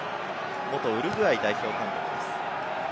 元ウルグアイ代表監督です。